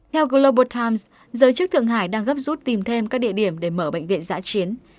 theo global time giới chức thượng hải đang gấp rút tìm thêm các địa điểm để mở bệnh viện giã chiến